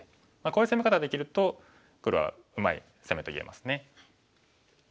こういう攻め方できると黒はうまい攻めと言えますね。